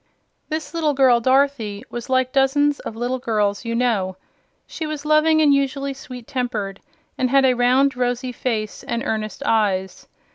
This little girl, Dorothy, was like dozens of little girls you know. She was loving and usually sweet tempered, and had a round rosy face and earnest eyes.